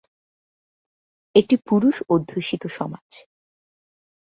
একটি পুরুষ-অধ্যুষিত সমাজ।